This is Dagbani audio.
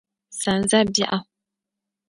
Sanza’ biɛɣu.